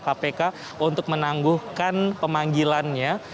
kpk untuk menangguhkan pemanggilannya